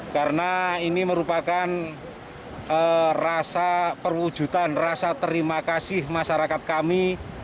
karena ini merupakan rasa perwujudan rasa terima kasih masyarakat kami